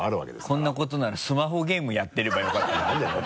こんなことならスマホゲームやってればよかったなと思いましたよね。